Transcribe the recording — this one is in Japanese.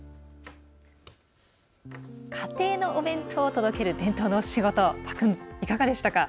家庭のお弁当を届ける伝統の仕事、いかがでしたか？